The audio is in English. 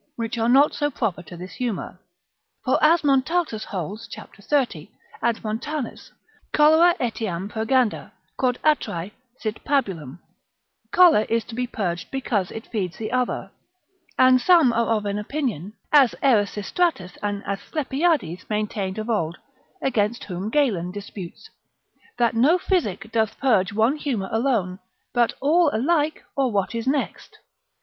which are not so proper to this humour. For, as Montaltus holds cap. 30. and Montanus cholera etiam purganda, quod atrae, sit pabulum, choler is to be purged because it feeds the other: and some are of an opinion, as Erasistratus and Asclepiades maintained of old, against whom Galen disputes, that no physic doth purge one humour alone, but all alike or what is next.